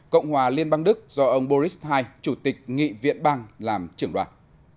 cộng hòa liên bang đức do ông boris ii chủ tịch nghị viện bang làm trưởng đoàn